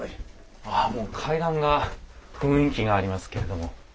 ああもう階段が雰囲気がありますけれども。